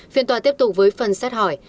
phiên tòa tiếp tục với phần xét hỏi